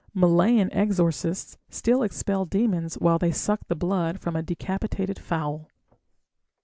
Malayan exorcists still expel demons while they suck the blood from a decapitated fowl.